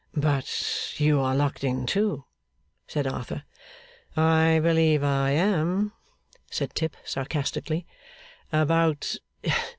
'But you are locked in too,' said Arthur. 'I believe I am!' said Tip, sarcastically. 'About!